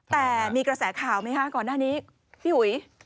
แต่มีกระแสข่าวไหมคะก่อนหน้านี้พี่อุ๋ย